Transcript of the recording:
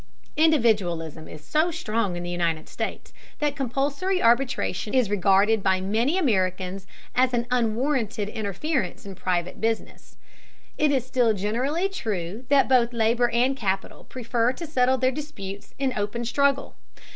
Individualism is so strong in the United States that compulsory arbitration is regarded by many Americans as an unwarranted interference in private business. It is still generally true that both labor and capital prefer to settle their disputes in open struggle.